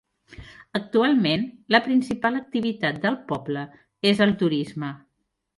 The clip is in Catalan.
Actualment, la principal activitat del poble és el turisme.